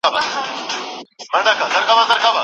هغه وويل چي نرمې خبري وکړئ.